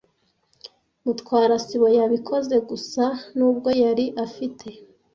Mutwara sibo yabikoze gusa nubwo yari afite.